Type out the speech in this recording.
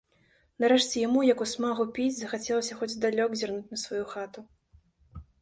Нарэшце яму, як у смагу піць, захацелася хоць здалёк зірнуць на сваю хату.